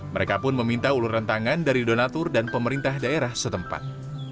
mereka pun meminta uluran tangan dari donatur dan pemerintah daerah setempat